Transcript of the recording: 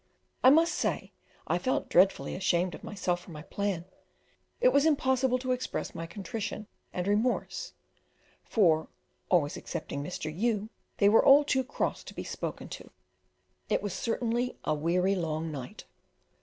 I must say I felt dreadfully ashamed of myself for my plan; it was impossible to express my contrition and remorse, for, always excepting Mr. U , they were all too cross to be spoken to. It certainly was a weary, long night.